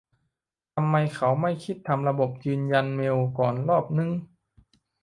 ทำไมเขาไม่คิดทำระบบยืนยันเมลก่อนรอบนึง